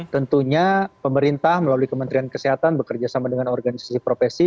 tentunya pemerintah melalui kementerian kesehatan bekerjasama dengan organisasi profesi